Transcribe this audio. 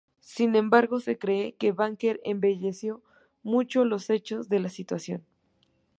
Sin embargo, se cree que Barker embelleció mucho los hechos de la situación.